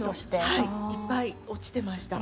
はいいっぱい落ちてました。